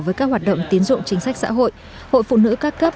với các hoạt động tiến dụng chính sách xã hội hội phụ nữ các cấp